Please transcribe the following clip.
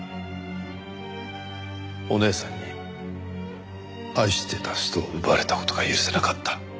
お姉さんに愛してた人を奪われた事が許せなかった。